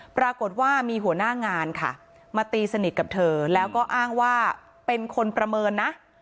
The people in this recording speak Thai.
ปรากฏว่ามีหัวหน้างานค่ะมาตีสนิทกับเธอแล้วก็อ้างว่าเป็นคนประเมินนะ